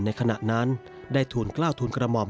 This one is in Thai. ในขณะนั้นได้ทุนเกล้าทุนกระหม่อม